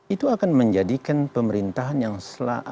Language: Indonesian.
itu akan menjadikan pemerintahan yang akan di